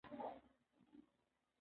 څوک د دې ککړتیا مسؤل دی؟